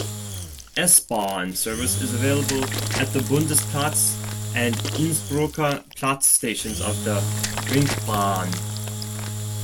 S-Bahn service is available at the Bundesplatz and Innsbrucker Platz stations of the "Ringbahn".